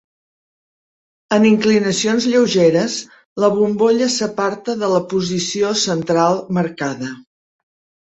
En inclinacions lleugeres, la bombolla s'aparta de la posició central marcada.